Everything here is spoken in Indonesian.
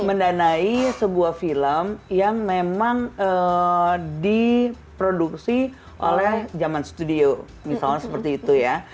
mendanai sebuah film yang memang diproduksi oleh zaman studio misalnya seperti itu ya